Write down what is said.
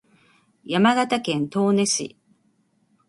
山形県東根市